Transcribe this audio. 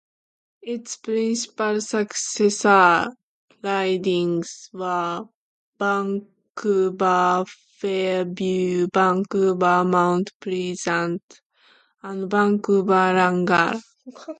Its principal successor ridings were Vancouver-Fairview, Vancouver-Mount Pleasant and Vancouver-Langara.